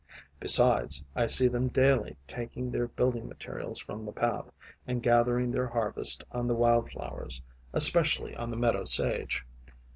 Besides, I see them daily taking their building materials from the path and gathering their harvest on the wild flowers, especially on the meadow sage.